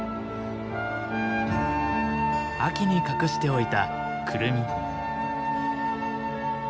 秋に隠しておいたクルミ。